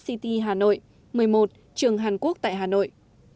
city hà nội một mươi một trường hàn quốc tại hà nội